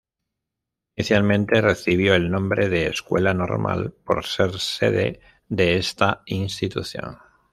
Inicialmente recibió el nombre de Escuela Normal, por ser sede de esta institución.